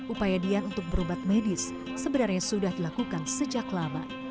upaya dian untuk berobat medis sebenarnya sudah dilakukan sejak lama